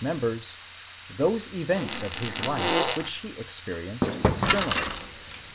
members, those events of his life which he experienced externally.